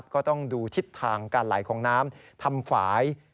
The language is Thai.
ก็ต้องดูทิศทางการไหลของน้ำทำฝ่าย